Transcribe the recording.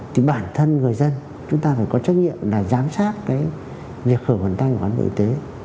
thì bản thân người dân chúng ta phải có trách nhiệm là giám sát cái việc khử quần tay của cán bộ y tế